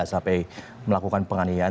sampai melakukan penganiayaan